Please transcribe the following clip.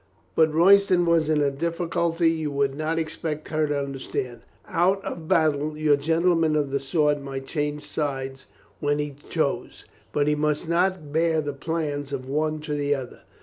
But Royston was in a difficulty you would not expect her to understand. Out of battle, your gen tleman of the sword might change sides when he chose, but he must not bear the plans of one to the other.